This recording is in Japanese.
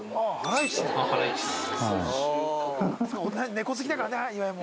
猫好きだからね岩井も。